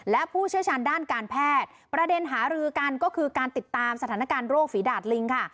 และผู้เชี่ยวชาญด้านการแพทย์ประเด็นหารือกันก็คือการติดตามสถานการณ์โรคฝีดาดลิงค่ะ